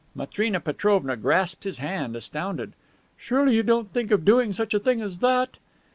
Matrena Petrovna grasped his hand, astounded. "Surely you don't think of doing such a thing as that!"